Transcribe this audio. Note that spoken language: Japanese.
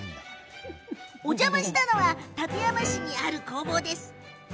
おじゃましたのは館山市にある工房です。